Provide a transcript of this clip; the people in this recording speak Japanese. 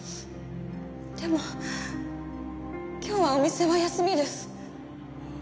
でも今日はお店は休みです。